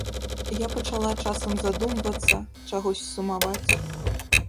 Я пачала часам задумвацца, чагось сумаваць.